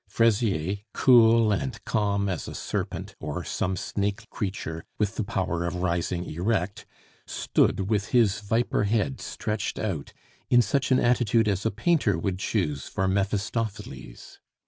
Fraisier, cool and calm as a serpent, or some snake creature with the power of rising erect, stood with his viper head stretched out, in such an attitude as a painter would choose for Mephistopheles.